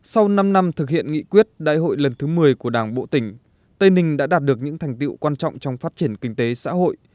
sau năm năm thực hiện nghị quyết đại hội lần thứ một mươi của đảng bộ tỉnh tây ninh đã đạt được những thành tiệu quan trọng trong phát triển kinh tế xã hội